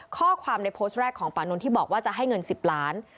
ข้อความในโพสต์แรกของปานนท์ที่บอกว่าจะให้เงิน๑๐ล้าน